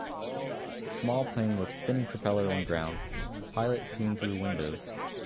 Small plane with spinning propeller on ground pilot seen through windows